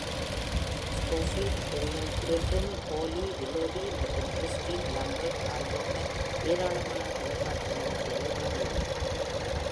Scofield Fern Britton, Holly Willoughby மற்றும் Christine லம்பார்ட் ஆகியோருடன் ஏராளமான தொலைக்காட்சி நிகழ்ச்சிகளை வழங்கியுள்ளார்.